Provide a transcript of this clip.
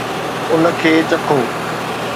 ان کي چکو